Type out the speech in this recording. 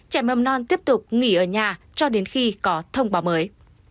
trẻ mầm non tiếp tục nghỉ ở nhà cho đến khi có thông báo mới